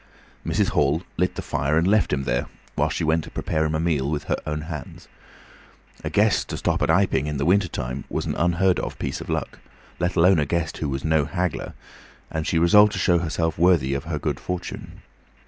Mrs. Hall lit the fire and left him there while she went to prepare him a meal with her own hands. A guest to stop at Iping in the wintertime was an unheard of piece of luck, let alone a guest who was no "haggler," and she was resolved to show herself worthy of her good fortune.